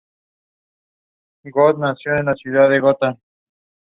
andele, niño, verá bailar el jarabe.